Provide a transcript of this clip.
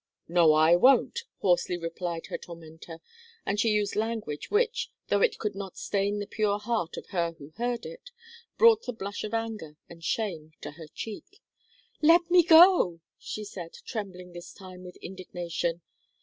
"No I won't," hoarsely replied her tormentor, and she used language which, though it could not stain the pure heart of her who heard it, brought the blush of anger and shame to her cheek. "Let me go!" she said, trembling this time with indignation.